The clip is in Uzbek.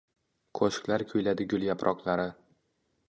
qo’shiqlar kuyladi gul yaproqlari